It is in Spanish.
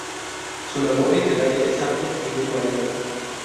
Su labor literaria es amplia y muy variada.